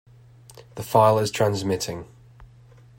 The file is transmitting.